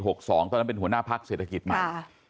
ตอนนั้นเป็นหัวหน้าพักเศรษฐกิจใหม่